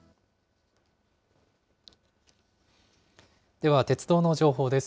では鉄道の情報です。